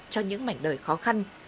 cho những mảnh đời khó khăn